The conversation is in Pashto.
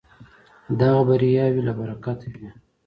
دغه بریاوې له برکته وې.